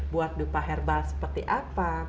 buat dupa herbal seperti apa